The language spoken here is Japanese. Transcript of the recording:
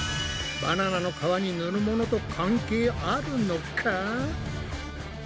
バナナの皮に塗るものと関係あるのか？